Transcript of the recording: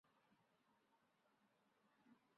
佛教各部派共同都有六识的学说。